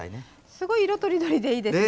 すごい色とりどりでいいですね。